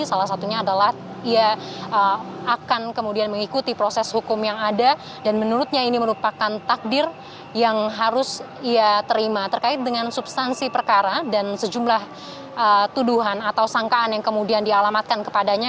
salah satunya adalah ia akan kemudian mengikuti proses hukum yang ada dan menurutnya ini merupakan takdir yang harus ia terima terkait dengan substansi perkara dan sejumlah tuduhan atau sangkaan yang kemudian dialamatkan kepadanya